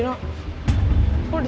bisa berdua bisa berdua